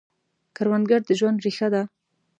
کروندګر د ژوند ریښه ده